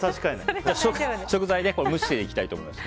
食材を蒸していきたいと思います。